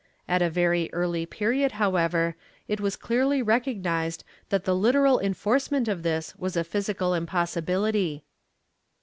At a very early period, however, it was clearly recognized that the literal enforcement of this was a physical impossibility.